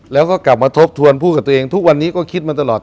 แล้วก็กลับมาทบทวนพูดกับตัวเองทุกวันนี้ก็คิดมาตลอด